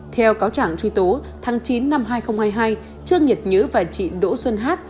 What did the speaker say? theo cáo trạng truy tố tháng chín năm hai nghìn hai mươi hai trương nhật nhứ và chị đỗ xuân hát